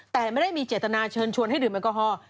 แต่ไม่ได้มีเจตนาเชิญชวนให้ดื่มแอลกอฮอล์